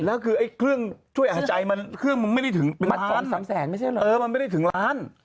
แล้วคือไอ้เครื่องช่วยอาหารใจมันไม่ได้ถึงล้านมันไม่ได้ถึงล้าน